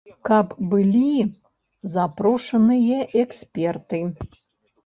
Каб былі запрошаныя эксперты.